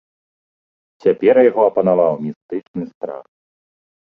Цяпер яго апанаваў містычны страх.